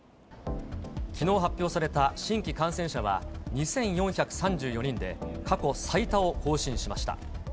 きのう発表された新規感染者は２４３４人で、過去最多を更新しました。